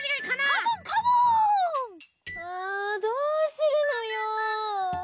あどうするのよ！